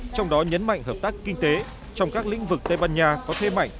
trong đó nhấn mạnh hợp tác kinh tế trong các lĩnh vực tây ban nha có thế mạnh